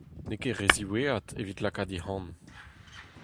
N'eo ket re ziwezhat evit lakaat hec'h anv !